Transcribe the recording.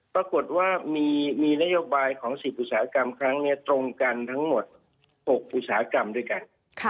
ปรากฏว่ามีนโยบายของ๑๐อุตสาหกรรมครั้งนี้ตรงกันทั้งหมด๖อุตสาหกรรมด้วยกัน